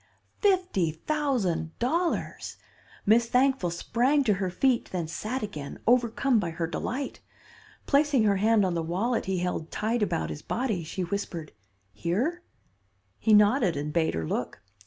"Fifty thousand dollars! Miss Thankful sprang to her feet, then sat again, overcome by her delight. Placing her hand on the wallet he held tied about his body, she whispered, 'Here?' "He nodded and bade her look.